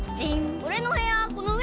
俺の部屋この上？